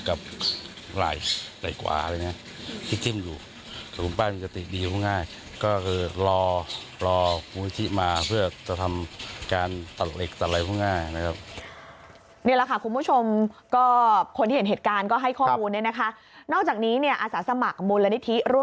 ครับอ่ายสิ่งออกก็คนที่เห็นเหนือการก็ให้ข้อมูลแล้วนะคะนอกจากนี้เนี่ยอาศาสตร์สมัครมูลละนิทธิ